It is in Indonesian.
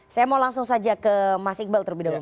saya mau langsung saja ke mas iqbal terlebih dahulu